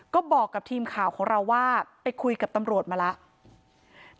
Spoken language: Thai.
ก็บอกกับทีมข่าวของเราว่าไปคุยกับตำรวจมาแล้ว